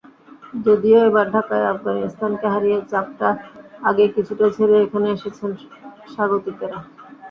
যদিও এবার ঢাকায় আফগানিস্তানকে হারিয়ে চাপটা আগেই কিছুটা ঝেরে এখানে এসেছেন স্বাগতিকেরা।